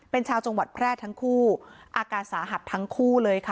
เป็นชาวจังหวัดแพร่ทั้งคู่อาการสาหัสทั้งคู่เลยค่ะ